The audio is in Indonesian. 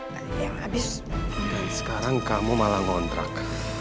dan sekarang kamu malah ngontrak